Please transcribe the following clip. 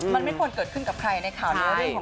มันไม่ควรเกิดขึ้นให้ใครในข่าวนี้